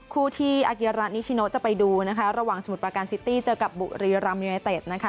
คู่ที่อาเกียรานิชิโนจะไปดูนะคะระหว่างสมุทรประการซิตี้เจอกับบุรีรำยูไนเต็ดนะคะ